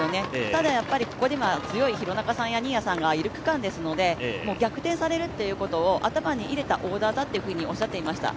ただここには強い廣中さんや新谷さんがいる区間ですので逆転されるということを頭に入れたオーダーだとおっしゃっていました。